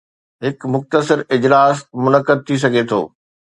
هڪ مختصر اجلاس منعقد ٿي سگهي ٿو